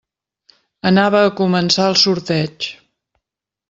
Anava a començar el sorteig.